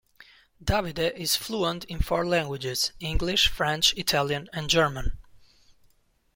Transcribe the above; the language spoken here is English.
Davide is fluent in four languages, English, French, Italian, and German.